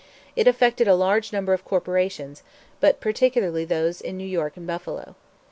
It affected a large number of corporations, but particularly those in New York and Buffalo.